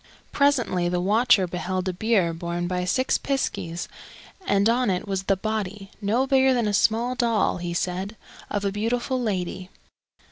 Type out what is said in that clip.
Presently the watcher beheld a bier borne by six piskies, and on it was the body no bigger than a small doll, he said of a beautiful lady.